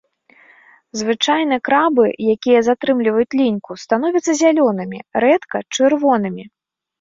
Звычайна крабы, якія затрымліваюць ліньку, становяцца зялёнымі, рэдка-чырвонымі.